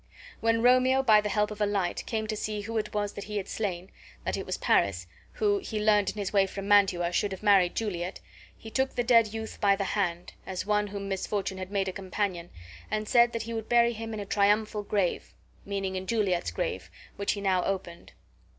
When Romeo, by the help of a light, came to see who it was that he had slain, that it was Paris, who (he learned in his way from Mantua) should have married Juliet, he took the dead youth by the hand, as one whom misfortune had made a companion, and said that he would bury him in a triumphal grave, meaning in Juliet's grave, which he now opened.